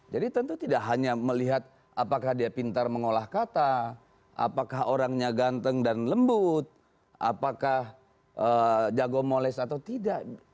jadi tentu tidak hanya melihat apakah dia pintar mengolah kata apakah orangnya ganteng dan lembut apakah jago moles atau tidak